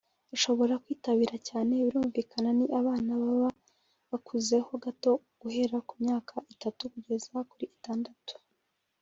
abashobora kwitabira cyane birumvikana ni abana baba bakuzeho gato guhera ku myaka itatu kugeza kuri itandatu